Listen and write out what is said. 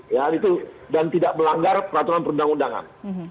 ya itu dan tidak melanggar peraturan perundang undangan